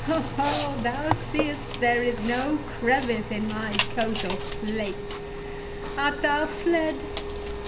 —Ho! ho! thou seest there is no crevice in my coat of plate—Art thou fled?